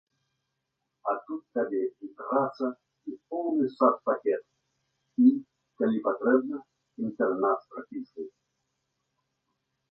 А тут табе і праца, і поўны сацпакет, і, калі патрэбна, інтэрнат з прапіскай!